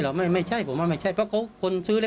ก็เลยต้องรีบไปแจ้งให้ตรวจสอบคือตอนนี้ครอบครัวรู้สึกไม่ไกล